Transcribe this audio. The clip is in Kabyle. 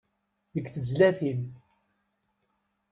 Deg tezlatin.